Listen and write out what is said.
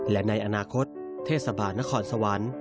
และในอนาคตเทศบาลนครสวรรค์